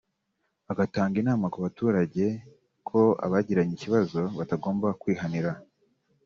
agatanga inama ku baturage ko abagiranye ikibazo batagomba kwihanira